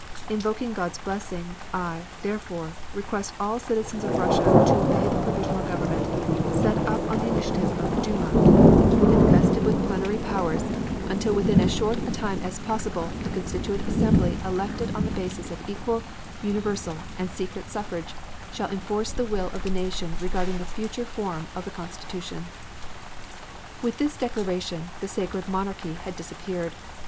Invoking God's blessing, I, therefore, request all citizens of Russia to obey the provisional government, set up on the initiative of the Duma, and invested with plenary powers, until within as short a time as possible the Constituent Assembly elected on a basis of equal, universal and secret suffrage, shall enforce the will of the nation regarding the future form of the constitution. With this declaration the sacred monarchy had disappeared.